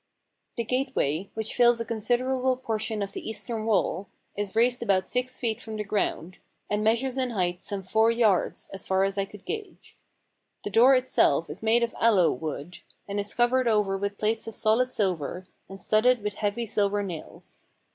The gateway, which fills a considerable portion of the eastern wall, is raised about six feet from the ground, and measures in height some four yards, as far as I could gauge. The door itself is made of aloe wood, and is covered over with plates of solid silver, and studded with heavy silver nails.